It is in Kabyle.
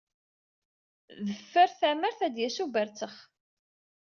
Deffer tamaret, ad yas ubertex.